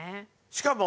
しかも。